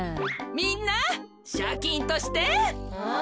みんなシャキンとして。